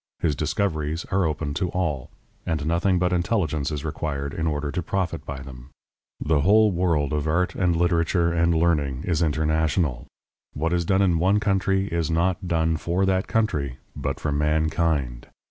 His discoveries are open to all, and nothing but intelligence is required in order to profit by them. The whole world of art and literature and learning is international; what is done in one country is not done for that country, but for mankind.